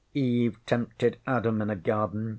Eve tempted Adam in a garden.